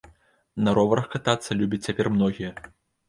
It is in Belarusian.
На роварах катацца любяць цяпер многія!